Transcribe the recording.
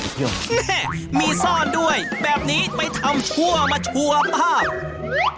แหมมีซ่อนด้วยแบบนี้ไปทำชั่วมาชั่วภาพ